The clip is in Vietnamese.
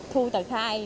thu tờ khai